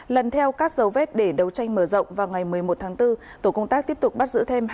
lần theo các dấu vết để đấu tranh mở rộng vào ngày một mươi một tháng bốn tổ công tác tiếp tục bắt giữ thêm